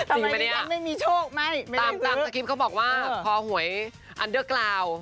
จริงป่ะเนี่ยตามสกิปเขาบอกว่าพอหวยอันเดอร์กราว